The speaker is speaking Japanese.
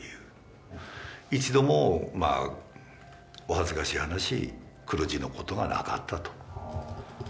一度もまあお恥ずかしい話黒字のことがなかったと。